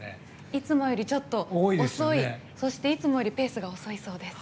いつもよりちょっと遅いそして、いつもよりペースが遅いそうです。